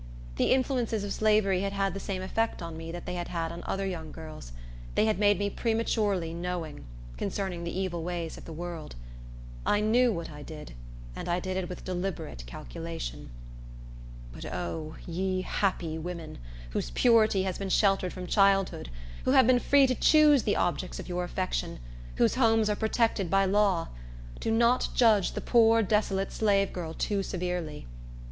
The influences of slavery had had the same effect on me that they had on other young girls; they had made me prematurely knowing, concerning the evil ways of the world. I knew what I did, and I did it with deliberate calculation. But, O, ye happy women, whose purity has been sheltered from childhood, who have been free to choose the objects of your affection, whose homes are protected by law, do not judge the poor desolate slave girl too severely!